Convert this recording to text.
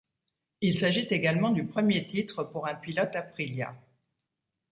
Il s'agit également du premier titre pour un pilote Aprilia.